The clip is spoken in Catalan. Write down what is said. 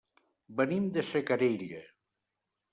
Venim de Xacarella.